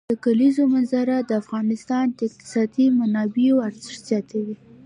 د کلیزو منظره د افغانستان د اقتصادي منابعو ارزښت زیاتوي.